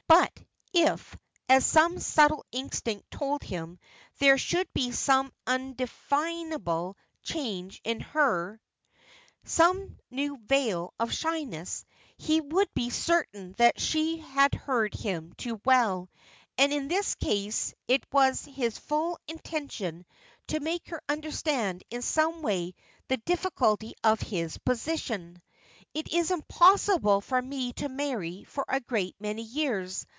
But if, as some subtle instinct told him, there should be some undefinable change in her, some new veil of shyness, he would be certain that she had heard him too well, and in this case it was his full intention to make her understand in some way the difficulty of his position. "It is impossible for me to marry for a great many years.